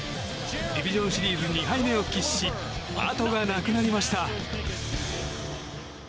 ディビジョンシリーズ２敗目を喫しあとがなくなりました。